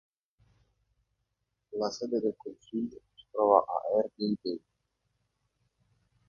La sede del consiglio si trova a Hervey Bay.